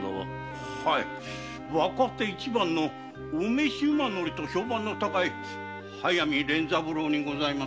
若手一番の御召馬乗りと評判の高い速水連三郎にございます。